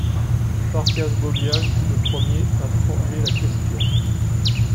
Farkas Bolyai fut le premier à formuler la question.